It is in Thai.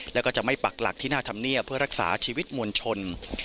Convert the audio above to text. แล้วก็จะไม่ปักหลักที่หน้าธรรมเนียบเพื่อรักษาชีวิตมวลชน